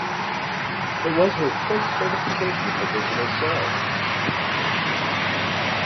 It was her first certification for digital sales.